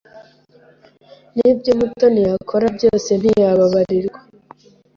Nibyo Mutoni yakora byose ntiyababarirwa.